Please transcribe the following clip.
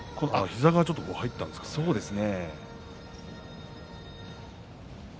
膝が入ったんですかね。